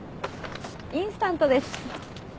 インスタントです。